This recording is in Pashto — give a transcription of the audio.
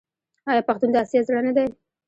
آیا پښتون د اسیا زړه نه دی؟